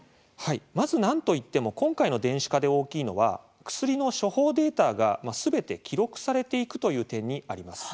まず、なんといっても今回の電子化で大きいのは薬の処方データがすべて記録されていくという点にあります。